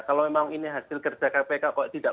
kalau memang ini hasil kerja kpk kok tidak